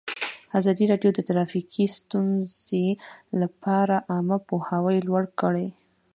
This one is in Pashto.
ازادي راډیو د ټرافیکي ستونزې لپاره عامه پوهاوي لوړ کړی.